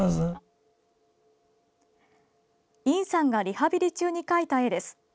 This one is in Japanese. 尹さんがリハビリ中に描いた絵です。